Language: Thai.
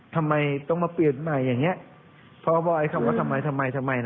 ทำไมต้องมาเปลี่ยนใหม่อย่างเงี้ยพอบอกไอ้คำว่าทำไมทำไม